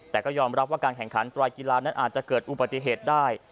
แต่ก็ยอมรับว่าการแข่งขันไตรกีฬานั้นอาจจะเกิดอุบัติเหตุได้